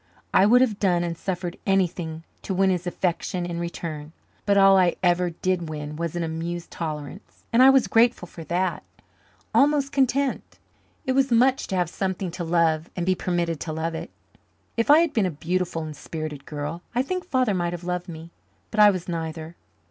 I would have done and suffered anything to win his affection in return. But all I ever did win was an amused tolerance and I was grateful for that almost content. It was much to have something to love and be permitted to love it. If I had been a beautiful and spirited girl I think Father might have loved me, but I was neither.